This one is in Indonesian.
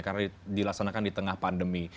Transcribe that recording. karena dilaksanakan di tengah pandemi